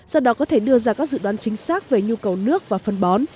sau đó có thể đưa ra các dự đoán chính xác về nhu cầu nước và phân bón